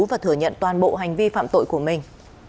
và thừa nhận toàn bộ hành vi phạm tội của mình